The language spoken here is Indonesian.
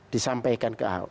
disampaikan ke ahok